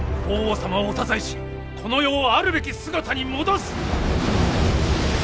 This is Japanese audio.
法皇様をお支えしこの世をあるべき姿に戻す！